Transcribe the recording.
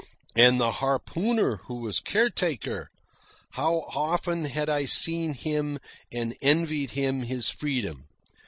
And the harpooner who was caretaker! How often had I seen him and envied him his freedom.